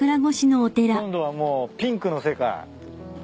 今度はもうピンクの世界。